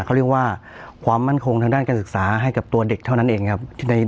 เขาเรียกว่าความมั่นคงทางด้านการศึกษาให้กับตัวเด็กเท่านั้นเองครับ